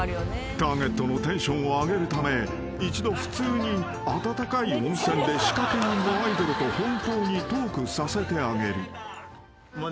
［ターゲットのテンションを上げるため一度普通に温かい温泉で仕掛け人のアイドルと本当にトークさせてあげる］